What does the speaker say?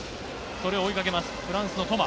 それを追いかけます、フランスのトマ。